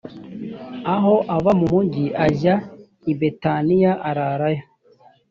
aho ava mu mugi ajya i betaniya ararayo